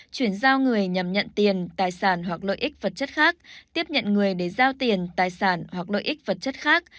chuyển giao người nhằm nhận tiền tài sản hoặc lợi ích vật chất khác tiếp nhận người để giao tiền tài sản hoặc lợi ích vật chất khác